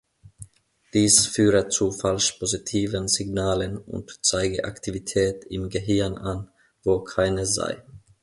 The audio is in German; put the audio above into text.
Dies führe zu falsch-positiven Signalen und zeige Aktivität im Gehirn an, wo keine sei.